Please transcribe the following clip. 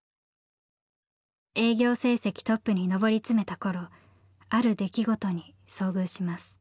営業成績トップに上り詰めた頃ある出来事に遭遇します。